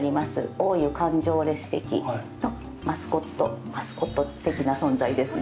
大湯環状列石のマスコット、マスコット的な存在ですね。